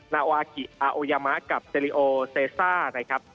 นาวาคิอาโยมะกับเจลิโอเซซ่า